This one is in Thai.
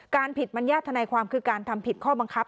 ผิดมัญญาติธนายความคือการทำผิดข้อบังคับ